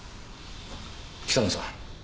北野さん。